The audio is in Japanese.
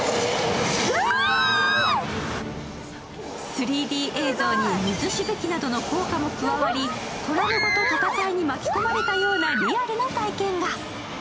３Ｄ映像に水しぶきなどの効果も加わり、トラムごと戦いに巻き込まれたようなリアルな体験が。